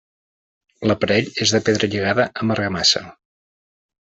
L’aparell és de pedra lligada amb argamassa.